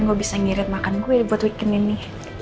gwees angkrit makan gue buat bikin ini